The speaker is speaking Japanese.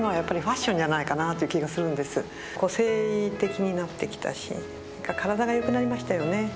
個性的になってきたし体がよくなりましたよね。